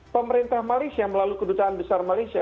pemerintah malaysia melalui kedutaan besar malaysia